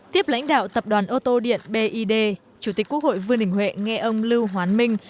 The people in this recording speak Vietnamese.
tiếp lãnh đạo tập đoàn ô tô điện bid chủ tịch quốc hội vương đình huệ nghe ông lưu hoán minh